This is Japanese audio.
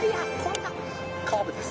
カーブです。